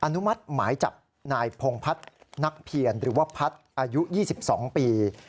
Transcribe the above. อนุมัติหมายจับนายพงพัฒน์นักเพียรหรือว่าพัฒน์อายุ๒๒ปี